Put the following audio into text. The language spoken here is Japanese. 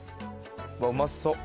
うわうまそう。